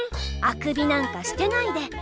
あくびなんかしてないで。